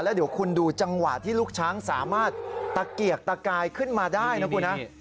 แล้วเดี๋ยวคุณดูจังหวะที่ลูกช้างสามารถตะเกียกตะกายขึ้นมาได้นะคุณนะ